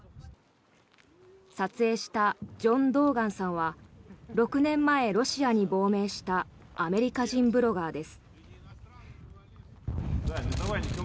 撮影したジョン・ドーガンさんは６年前、ロシアに亡命したアメリカ人ブロガーです。